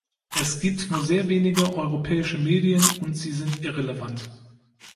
Es gibt nur sehr wenige europäische Medien, und sie sind irrelevant.